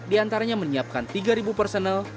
diantaranya menyiapkan tiga personal